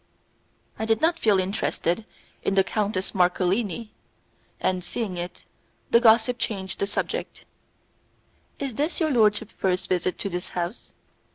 I did not feel interested in the Countess Marcolini, and, seeing it, the gossip changed the subject. "Is this your lordship's first visit to this house?